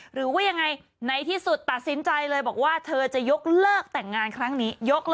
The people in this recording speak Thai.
หรือว่ายังไงในที่สุดตัดสินใจเลยบอกว่าเธอจะยกเลิกแต่งงานครั้งนี้